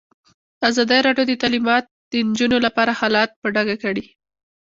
ازادي راډیو د تعلیمات د نجونو لپاره حالت په ډاګه کړی.